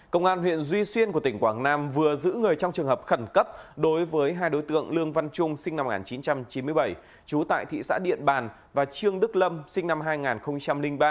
công an huyện duy xuyên của tỉnh quảng nam vừa giữ người trong trường hợp khẩn cấp đối với hai đối tượng lương văn trung sinh năm một nghìn chín trăm chín mươi bảy trú tại thị xã điện bàn và trương đức lâm sinh năm hai nghìn ba